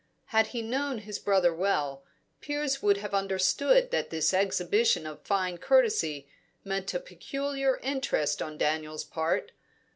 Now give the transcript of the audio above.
Had he known his brother well, Piers would have understood that this exhibition of fine courtesy meant a peculiar interest on Daniel's part.